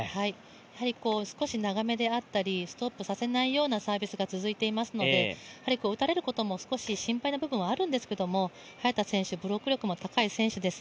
やはり少し長めであったり、ストップさせないようなサービスが続いていますので打たれることも少し心配な部分はあるんですけれども早田選手、ブロック力も高い選手です。